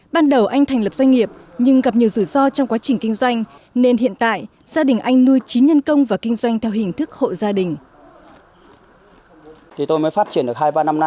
ban đầu anh thành lập doanh nghiệp nhưng gặp nhiều rủi ro trong quá trình kinh doanh nên hiện tại gia đình anh nuôi chín nhân công và kinh doanh theo hình thức hộ gia đình